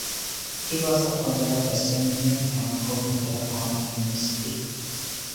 He was the founder of Western Union and a co-founder of Cornell University.